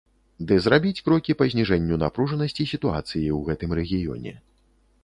Ды зрабіць крокі па зніжэнню напружанасці сітуацыі ў гэтым рэгіёне.